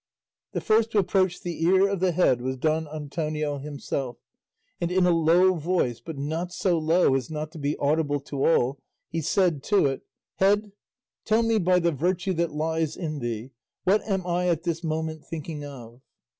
The first to approach the ear of the head was Don Antonio himself, and in a low voice but not so low as not to be audible to all, he said to it, "Head, tell me by the virtue that lies in thee what am I at this moment thinking of?"